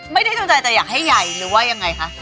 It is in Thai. จงใจแต่อยากให้ใหญ่หรือว่ายังไงคะ